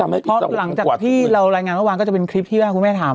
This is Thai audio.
เพราะหลังจากที่เรารายงานเมื่อวานก็จะเป็นคลิปที่ว่าคุณแม่ถาม